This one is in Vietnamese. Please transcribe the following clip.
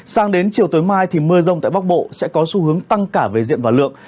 sang đến chiều tối mai thì mưa rông tại bắc bộ sẽ có xu hướng tăng cả về diện và lượng